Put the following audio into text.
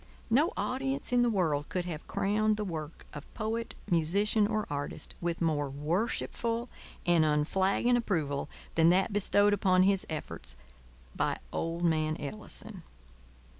No audience in the world could have crowned the work of poet, musician, or artist with more worshipful and unflagging approval than that bestowed upon his efforts by old man Ellison.